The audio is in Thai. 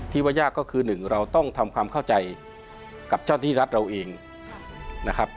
ว่ายากก็คือหนึ่งเราต้องทำความเข้าใจกับเจ้าที่รัฐเราเองนะครับ